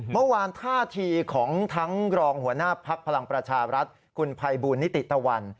เมื่อวานท่าทีของทั้งรองหัวหน้าภักดิ์พลังประชารัฐคุณภัยบูลนิติตะวัน